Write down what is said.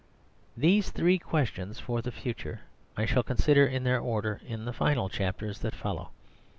These three questions for the future I shall consider in their order in the final chapters that follow.